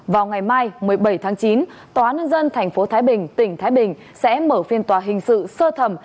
vào ngày mai một mươi bảy tháng chín tòa nhân dân tp thái bình tỉnh thái bình sẽ mở phiên tòa hình sự sơ thẩm